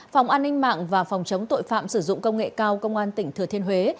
phòng an ninh mạng và phòng chống tội phạm sử dụng công nghệ cao công an tỉnh thừa thiên huế